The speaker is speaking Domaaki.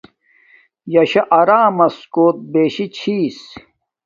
یا شا ارمس کوت بِشی چھس